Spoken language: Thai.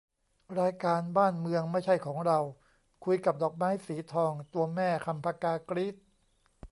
รายการ 'บ้านเมืองไม่ใช่ของเรา' คุยกับ ดอกไม้สีทอง ตัวแม่ 'คำ ผกา' กรี๊ด